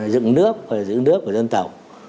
dựng nước và dựng nước của dân tộc